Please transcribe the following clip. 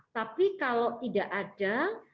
tapi kalau tidak ada